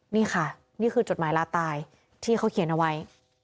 นี่ค่ะนี่คือจดหมายลาตายที่เขาเขียนเอาไว้